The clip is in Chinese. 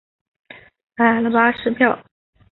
买了巴士票